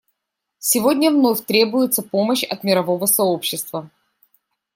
Сегодня вновь требуется помощь от мирового сообщества.